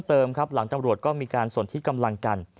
ส่วนเพิ่มเติมหลังตำรวจก็มีการส่วนที่กำลังกัน